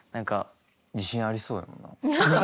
自信ありそうだもんね。